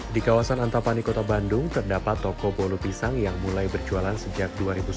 di kawasan antapani kota bandung terdapat toko bolu pisang yang mulai berjualan sejak dua ribu sembilan belas